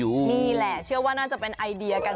นี่แหละเชื่อว่าน่าจะเป็นไอเดียกัน